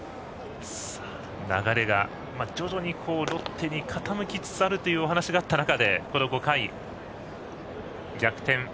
流れが徐々にロッテに傾きつつあるというお話があった中でこの５回、逆転。